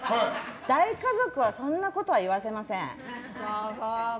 大家族はそんなことは言わせません。